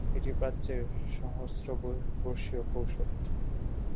এটি প্রাচ্যের সহস্রবর্ষীয় কৌশল।